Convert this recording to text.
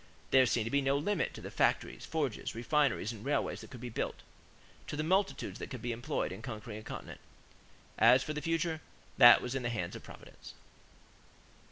There seemed to be no limit to the factories, forges, refineries, and railways that could be built, to the multitudes that could be employed in conquering a continent. As for the future, that was in the hands of Providence!